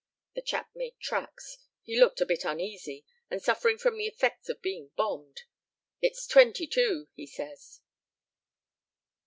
The chap made tracks. He looked a bit uneasy, and suffering from the effects of being bombed. 'It's 22,' he says."